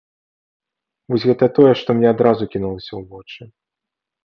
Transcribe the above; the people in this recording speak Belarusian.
Вось гэта тое, што мне адразу кінулася ў вочы.